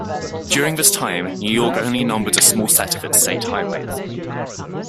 During this time, New York only numbered a small set of its state highways.